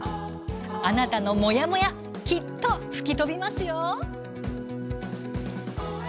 あなたの「もやもや」きっと吹き飛びますよ。